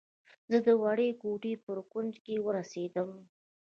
زه د وړې کوټې بر کونج ته ورسېدم.